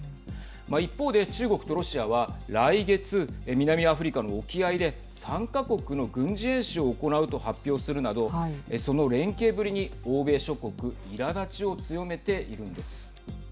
一方で中国とロシアは来月、南アフリカの沖合で３か国の軍事演習を行うと発表するなどその連携ぶりに欧米諸国いらだちを強めているんです。